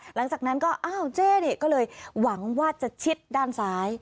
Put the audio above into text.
หลังจากนั้นก็อ้าวเจ๊นี่ก็เลยหวังว่าจะชิดด้านซ้าย